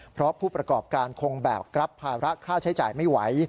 เพราะผู้ประกอบการคงแบกรับภาระค่าใช้จ่ายไม่ไหว